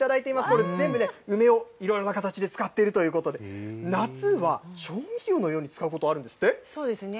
これ、全部ね、梅をいろんな形で使っているということで、夏は調味料のように使うことあるんですそうですね。